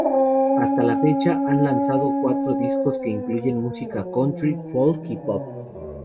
Hasta la fecha han lanzado cuatro discos que incluyen música country, folk y pop.